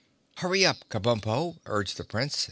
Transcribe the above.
"Hurry up, Kabumpo," urged the Prince.